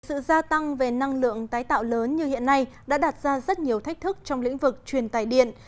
sự gia tăng về năng lượng tái tạo lớn như hiện nay đã đạt ra rất nhiều thách thức trong lĩnh vực truyền tài điện